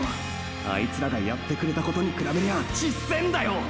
あいつらがやってくれたことに比べりゃ小っせーんだよ！！